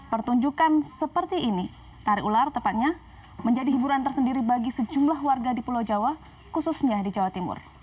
pertunjukan seperti ini tari ular tepatnya menjadi hiburan tersendiri bagi sejumlah warga di pulau jawa khususnya di jawa timur